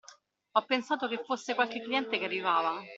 Ho pensato che fosse qualche cliente che arrivava.